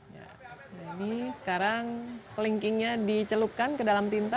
ya jadi sekarang kelingkingnya dicelupkan ke dalam tinta